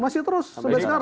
masih terus sampai sekarang